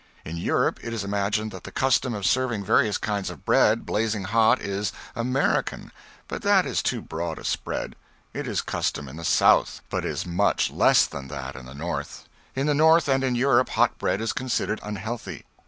In Europe it is imagined that the custom of serving various kinds of bread blazing hot is "American," but that is too broad a spread; it is custom in the South, but is much less than that in the North. In the North and in Europe hot bread is considered unhealthy.